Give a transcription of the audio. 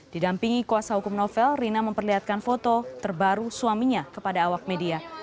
didampingi kuasa hukum novel rina memperlihatkan foto terbaru suaminya kepada awak media